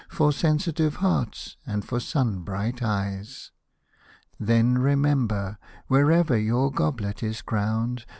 For sensitive hearts, and for sun bright eyes. Then remember, wherever your goblet is crowned.